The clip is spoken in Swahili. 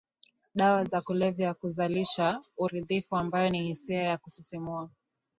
Dawa za kulevya huzalisha uridhifu ambayo ni hisia ya kusisimua